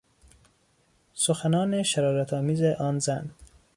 سخنان شرارتآمیز آن زن